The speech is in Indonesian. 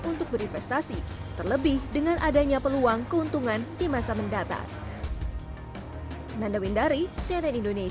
untuk berinvestasi terlebih dengan adanya peluang keuntungan di masa mendatang